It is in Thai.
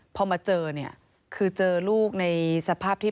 น้องหายแล้วน้องจะตามมา